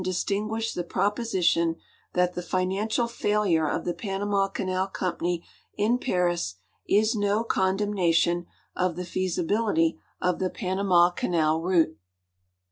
stinguish the proposition that the financial failure of the Panama Canal Company in Paris is no condemnation of the feasibility of the Panama canal route.